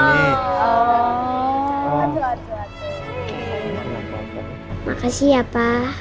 makasih ya pak